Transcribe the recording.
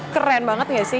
keren banget gak sih